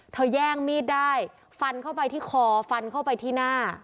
แย่งมีดได้ฟันเข้าไปที่คอฟันเข้าไปที่หน้า